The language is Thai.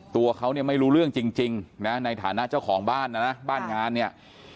ตัวเขาเนี่ยไม่รู้เรื่องจริงนะในฐานะเจ้าของบ้านนะนะบ้านงานเนี่ย